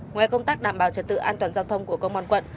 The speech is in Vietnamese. ngoài công tác đảm bảo trật tự an toàn giao thông của công an quận